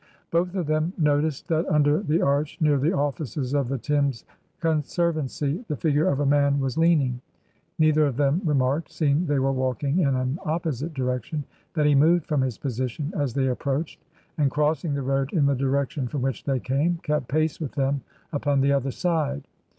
Both of them noticed that under the arch near the offices of the Thames Conservancy the figure of a man was leaning. Neither of them remarked, seeing they were walking in an opposite direction, that he moved from his position as they approached, and, crossing the road in the direction from which they came, kept pace with them upon the other side.